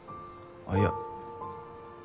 あっいや。